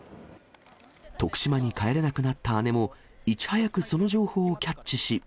徳島に帰れなくなった姉も、いち早くその情報をキャッチし。